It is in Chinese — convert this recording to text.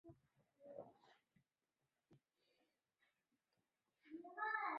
插电式混合动力车是一种混合动力车辆。